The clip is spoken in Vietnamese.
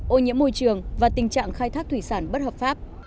ô nhiễm môi trường và tình trạng khai thác thủy sản bất hợp pháp